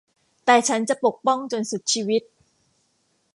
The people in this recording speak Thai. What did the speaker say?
แต่ฉันจะปกป้องจนสุดชีวิต